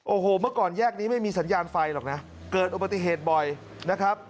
โอ้โหเมื่อก่อนแยกนี้ไม่มีสัญญาณไฟหรอกนะเกิดอุบัติเหตุบ่อยนะครับ